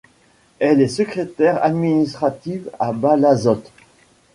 Elle est secrétaire administrative à Balazote.